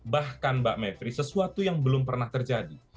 bahkan mbak mbak efri sesuatu yang belum pernah terjadi